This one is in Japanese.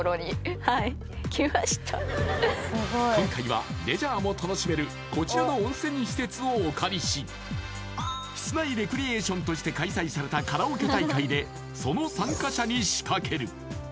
今回はレジャーも楽しめるこちらの温泉施設をお借りし室内レクリエーションとして開催されたカラオケ大会でその参加者に仕掛ける！